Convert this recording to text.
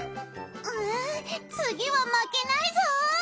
うつぎはまけないぞ！